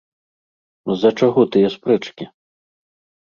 З-за чаго тыя спрэчкі?